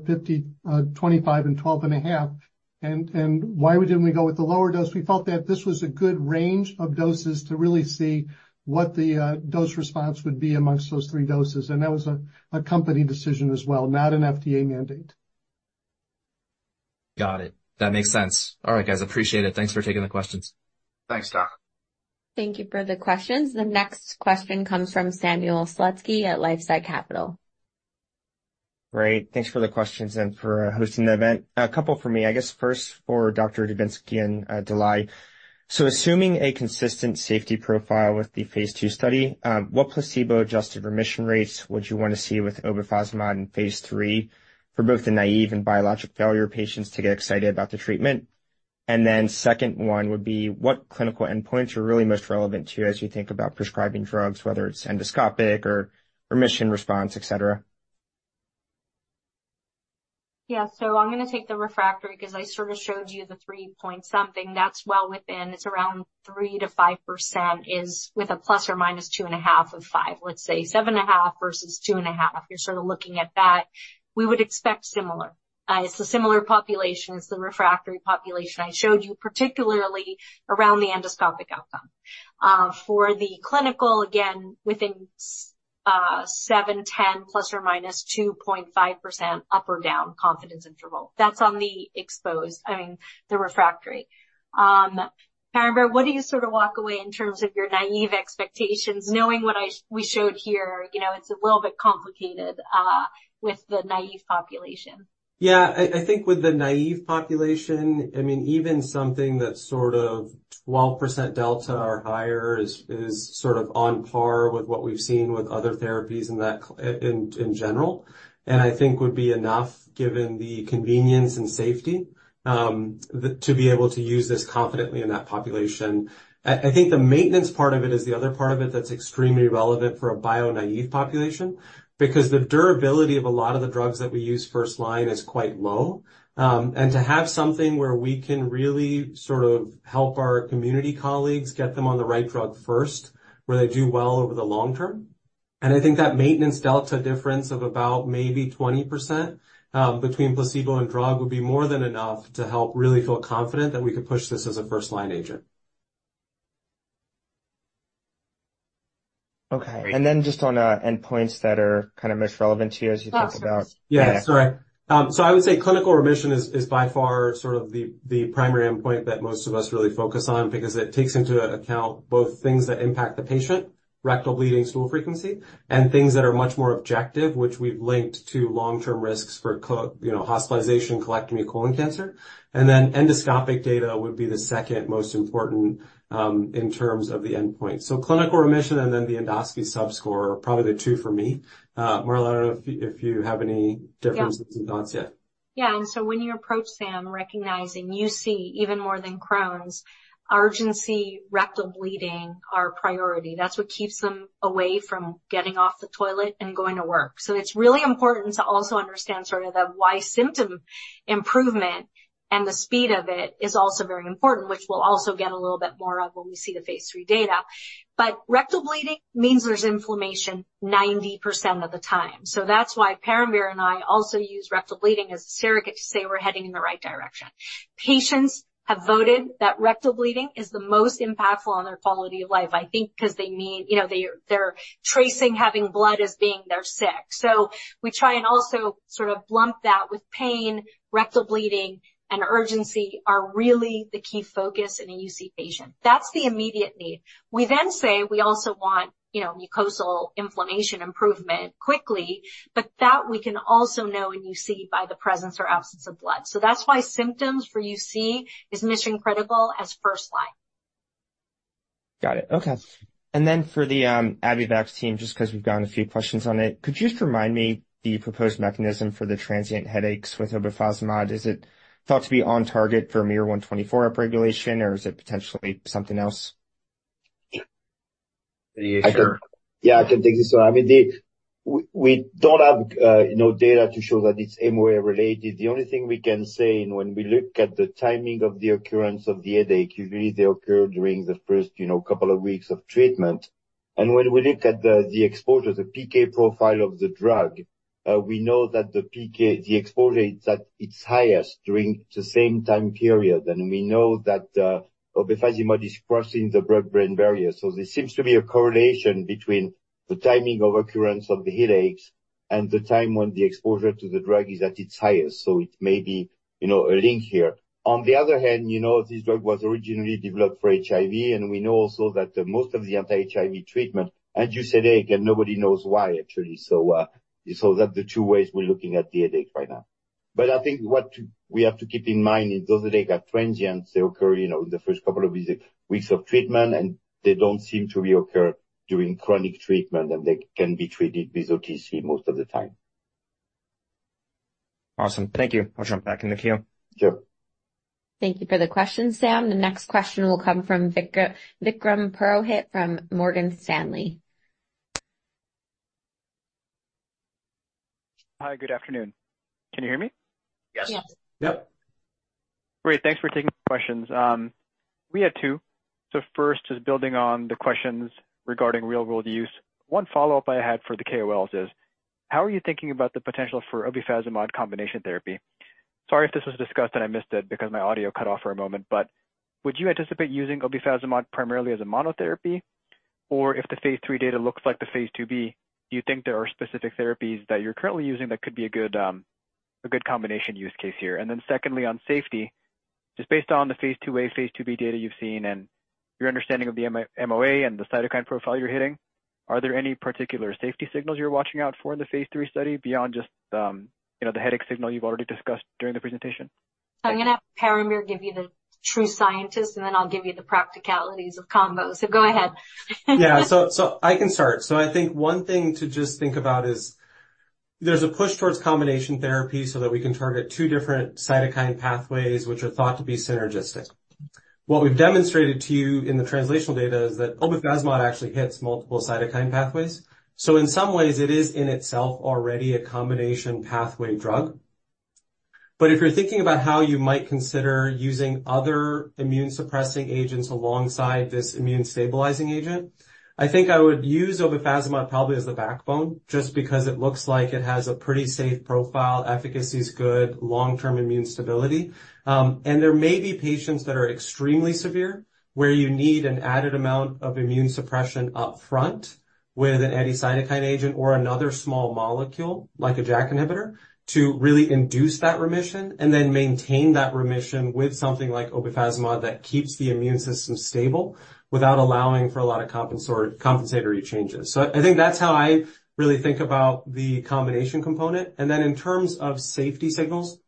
and 12.5. And why wouldn't we go with the lower dose? We felt that this was a good range of doses to really see what the dose response would be amongst those three doses, and that was a company decision as well, not an FDA mandate. Got it. That makes sense. All right, guys, appreciate it. Thanks for taking the questions. Thanks, Tom. Thank you for the questions. The next question comes from Sam Slutsky at LifeSci Capital. Great, thanks for the questions and for hosting the event. A couple for me, I guess first for Dr. Dubinsky and Dulai. So assuming a consistent safety profile with the phase 2 study, what placebo-adjusted remission rates would you want to see with obefazimod in phase 3 for both the naive and biologic failure patients to get excited about the treatment? And then second one would be, what clinical endpoints are really most relevant to you as you think about prescribing drugs, whether it's endoscopic or remission response, et cetera? Yeah, so I'm gonna take the refractory because I sort of showed you the 3-point something. That's well within. It's around 3%-5% is with a plus or minus 2.5 of 5. Let's say 7.5 versus 2.5. You're sort of looking at that. We would expect similar. It's a similar population, it's the refractory population I showed you, particularly around the endoscopic outcome. For the clinical, again, within seven-10, plus or minus 2.5% up or down confidence interval. That's on the exposed, I mean, the refractory. Parambir, what do you sort of walk away in terms of your naive expectations, knowing what we showed here? You know, it's a little bit complicated, with the naive population. Yeah. I think with the naive population, I mean, even something that's sort of 12% delta or higher is sort of on par with what we've seen with other therapies in that—in general, and I think would be enough, given the convenience and safety, to be able to use this confidently in that population. I think the maintenance part of it is the other part of it that's extremely relevant for a bio-naive population, because the durability of a lot of the drugs that we use first-line is quite low. And to have something where we can really sort of help our community colleagues get them on the right drug first, where they do well over the long term. And I think that maintenance delta difference of about maybe 20%, between placebo and drug, would be more than enough to help really feel confident that we could push this as a first-line agent. Okay. And then just on the endpoints that are kind of most relevant to you as you think about- Awesome. Yeah, sorry. So I would say clinical remission is by far sort of the primary endpoint that most of us really focus on because it takes into account both things that impact the patient, rectal bleeding, stool frequency, and things that are much more objective, which we've linked to long-term risks for co-- you know, hospitalization, colectomy, colon cancer. And then endoscopic data would be the second most important in terms of the endpoint. So clinical remission and then the endoscopy subscore are probably the two for me. Marla, I don't know if you have any differences in thoughts yet. Yeah. And so when you approach them, recognizing UC even more than Crohn's, urgency, rectal bleeding are a priority. That's what keeps them away from getting off the toilet and going to work. So it's really important to also understand sort of the why symptom improvement and the speed of it is also very important, which we'll also get a little bit more of when we see the phase 3 data. But rectal bleeding means there's inflammation 90% of the time. So that's why Parambir and I also use rectal bleeding as a surrogate to say we're heading in the right direction. Patients have voted that rectal bleeding is the most impactful on their quality of life, I think, because they need... You know, they, they're rating having blood as being they're sick. So we try and also sort of blunt that with pain, rectal bleeding, and urgency are really the key focus in a UC patient. That's the immediate need. We then say, we also want, you know, mucosal inflammation improvement quickly, but that we can also know in UC by the presence or absence of blood. So that's why symptoms for UC is mission-critical as first line. Got it. Okay. And then for the, Abivax team, just 'cause we've gotten a few questions on it. Could you just remind me the proposed mechanism for the transient headaches with obefazimod? Is it thought to be on target for miR-124 upregulation, or is it potentially something else? Yeah, sure. Yeah, I can take this one. I mean, we don't have, you know, data to show that it's MOA-related. The only thing we can say when we look at the timing of the occurrence of the headache, usually they occur during the first, you know, couple of weeks of treatment. And when we look at the exposure, the PK profile of the drug, we know that the PK, the exposure is at its highest during the same time period. And we know that obefazimod is crossing the blood-brain barrier. So there seems to be a correlation between the timing of occurrence of the headaches and the time when the exposure to the drug is at its highest. So it may be, you know, a link here. On the other hand, you know, this drug was originally developed for HIV, and we know also that most of the anti-HIV treatment add headache, and nobody knows why, actually. So, so that the two ways we're looking at the headache right now. But I think what we have to keep in mind is those headaches are transient. They occur, you know, in the first couple of weeks of treatment, and they don't seem to reoccur during chronic treatment, and they can be treated with OTC most of the time. Awesome. Thank you. I'll jump back in the queue. Sure. Thank you for the question, Sam. The next question will come from Vikram, Vikram Purohit from Morgan Stanley. Hi, good afternoon. Can you hear me? Yes. Yes. Yep. Great. Thanks for taking the questions. We had two. So first is building on the questions regarding real-world use. One follow-up I had for the KOLs is, how are you thinking about the potential for obefazimod combination therapy? Sorry if this was discussed, and I missed it because my audio cut off for a moment, but would you anticipate using obefazimod primarily as a monotherapy, or if the phase two data looks like the phase two B, do you think there are specific therapies that you're currently using that could be a good, a good combination use case here? And then secondly, on safety, just based on the phase 2a, phase 2b data you've seen and your understanding of the MOA and the cytokine profile you're hitting, are there any particular safety signals you're watching out for in the phase 3 study beyond just, you know, the headache signal you've already discussed during the presentation? I'm going to have Parambir give you the true scientist, and then I'll give you the practicalities of combos. Go ahead. Yeah. So, so I can start. So I think one thing to just think about is there's a push towards combination therapy so that we can target two different cytokine pathways, which are thought to be synergistic. What we've demonstrated to you in the translational data is that obefazimod actually hits multiple cytokine pathways. So in some ways, it is in itself already a combination pathway drug. But if you're thinking about how you might consider using other immune-suppressing agents alongside this immune-stabilizing agent, I think I would use obefazimod probably as the backbone, just because it looks like it has a pretty safe profile, efficacy's good, long-term immune stability. And there may be patients that are extremely severe, where you need an added amount of immune suppression upfront with an anti-cytokine agent or another small molecule, like a JAK inhibitor, to really induce that remission and then maintain that remission with something like obefazimod that keeps the immune system stable without allowing for a lot of compensatory changes. So I think that's how I really think about the combination component. And then in terms of safety signals,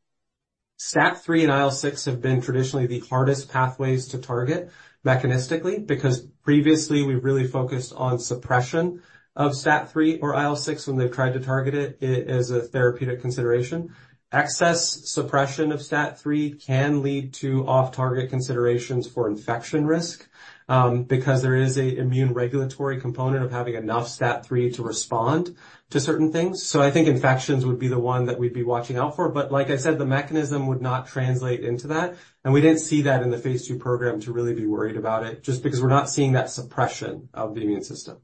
STAT3 and IL-6 have been traditionally the hardest pathways to target mechanistically, because previously we've really focused on suppression of STAT3 or IL-6 when they've tried to target it as a therapeutic consideration. Excess suppression of STAT3 can lead to off-target considerations for infection risk, because there is an immune regulatory component of having enough STAT3 to respond to certain things. So I think infections would be the one that we'd be watching out for. But like I said, the mechanism would not translate into that, and we didn't see that in the phase 2 program to really be worried about it, just because we're not seeing that suppression of the immune system.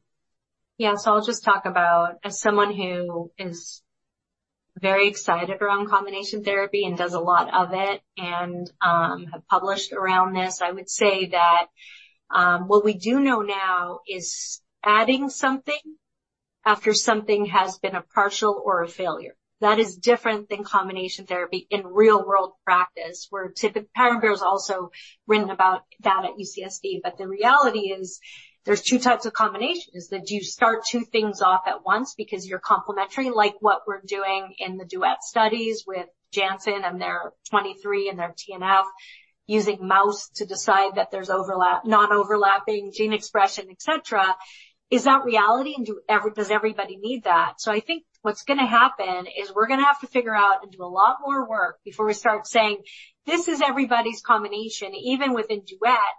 Yeah. So I'll just talk about, as someone who is-... very excited around combination therapy and does a lot of it, and, have published around this. I would say that, what we do know now is adding something after something has been a partial or a failure. That is different than combination therapy in real-world practice, where Parambir has also written about that at UCSD. But the reality is, there's two types of combinations, that you start two things off at once because you're complementary, like what we're doing in the Duet studies with Janssen and their 23 and their TNF, using mouse to decide that there's overlap, non-overlapping gene expression, et cetera. Is that reality, and does everybody need that? So I think what's going to happen is we're going to have to figure out and do a lot more work before we start saying, "This is everybody's combination," even within duet,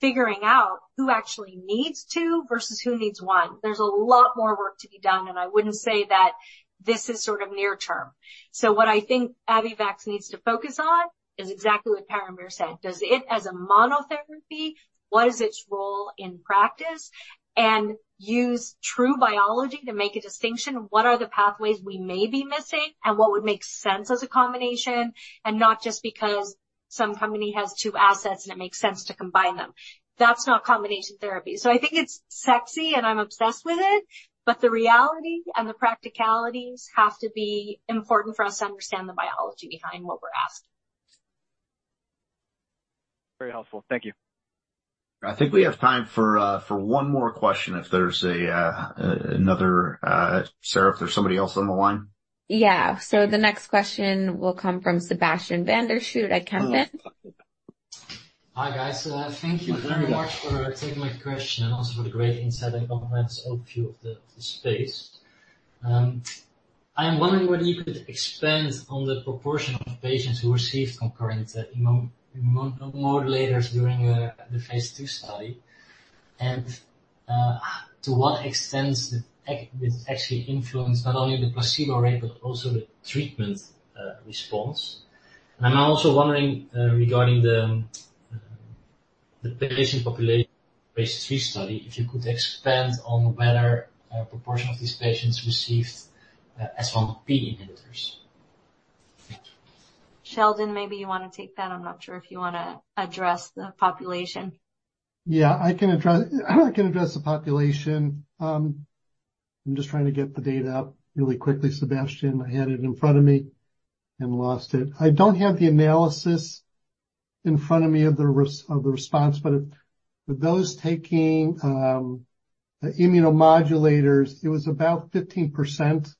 figuring out who actually needs two versus who needs one. There's a lot more work to be done, and I wouldn't say that this is sort of near term. So what I think Abivax needs to focus on is exactly what Parambir said: Does it as a monotherapy, what is its role in practice? And use true biology to make a distinction, what are the pathways we may be missing and what would make sense as a combination, and not just because some company has two assets, and it makes sense to combine them. That's not combination therapy. I think it's sexy, and I'm obsessed with it, but the reality and the practicalities have to be important for us to understand the biology behind what we're asking. Very helpful. Thank you. I think we have time for one more question if there's another. Sarah, if there's somebody else on the line? Yeah. So the next question will come from Sebastiaan van der Schoot at Kempen & Co. Hi, guys. Thank you very much for taking my question and also for the great insight and comprehensive overview of the space. I'm wondering whether you could expand on the proportion of patients who received concurrent immunomodulators during the phase 2 study, and to what extent this actually influenced not only the placebo rate, but also the treatment response. And I'm also wondering regarding the patient population, phase 3 study, if you could expand on whether a proportion of these patients received S1P inhibitors. Sheldon, maybe you want to take that. I'm not sure if you wanna address the population. Yeah, I can address, I can address the population. I'm just trying to get the data up really quickly, Sebastiaan. I had it in front of me and lost it. I don't have the analysis in front of me of the response, but if... For those taking the immunomodulators, it was about 15%,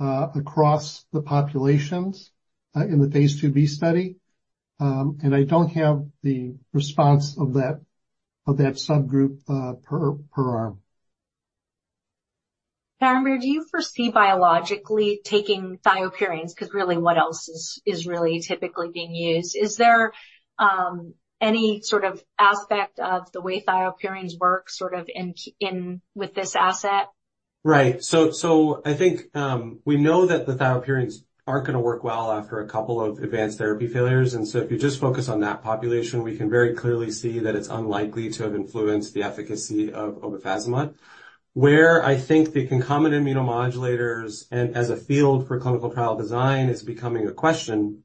across the populations, in the phase 2B study. And I don't have the response of that subgroup per arm. Parambir, do you foresee biologically taking thiopurines? Because really, what else is, is really typically being used. Is there any sort of aspect of the way thiopurines work, sort of, in with this asset? Right. So, so I think, we know that the thiopurines aren't going to work well after a couple of advanced therapy failures. And so if you just focus on that population, we can very clearly see that it's unlikely to have influenced the efficacy of obefazimod. Where I think the concomitant immunomodulators, and as a field for clinical trial design, is becoming a question,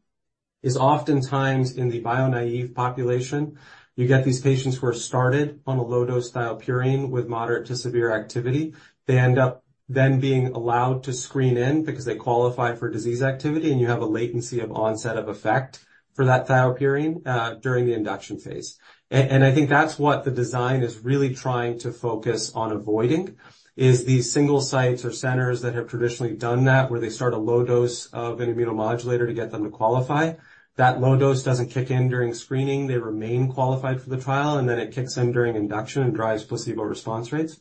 is oftentimes in the bio-naïve population, you get these patients who are started on a low-dose thiopurine with moderate to severe activity. They end up then being allowed to screen in because they qualify for disease activity, and you have a latency of onset of effect for that thiopurine, during the induction phase. And I think that's what the design is really trying to focus on avoiding, is these single sites or centers that have traditionally done that, where they start a low dose of an immunomodulator to get them to qualify. That low dose doesn't kick in during screening. They remain qualified for the trial, and then it kicks in during induction and drives placebo response rates.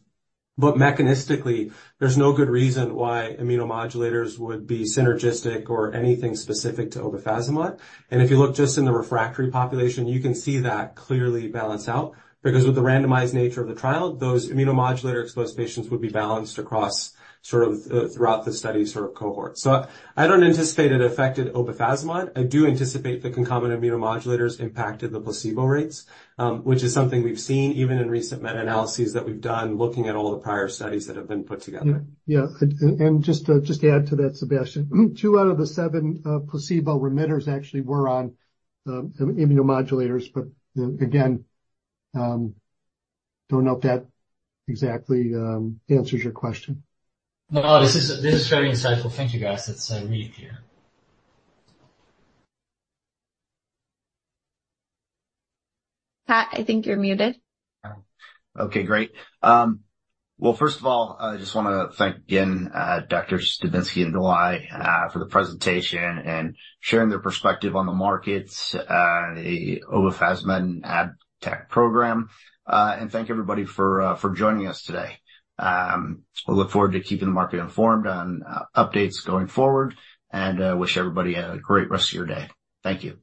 But mechanistically, there's no good reason why immunomodulators would be synergistic or anything specific to obefazimod. And if you look just in the refractory population, you can see that clearly balance out, because with the randomized nature of the trial, those immunomodulator-exposed patients would be balanced across sort of throughout the study sort of cohort. So I don't anticipate it affected obefazimod. I do anticipate the concomitant immunomodulators impacted the placebo rates, which is something we've seen even in recent meta-analyses that we've done, looking at all the prior studies that have been put together. Yeah. Yeah, and just to add to that, Sebastiaan, two out of the seven placebo remitters actually were on immunomodulators, but again, don't know if that exactly answers your question. No, this is, this is very insightful. Thank you, guys. It's really clear. Pat, I think you're muted. Okay, great. Well, first of all, I just want to thank again, Doctors Dubinsky and Dulai, for the presentation and sharing their perspective on the markets, the obefazimod and ABTECT program. And thank everybody for joining us today. We look forward to keeping the market informed on updates going forward, and wish everybody a great rest of your day. Thank you.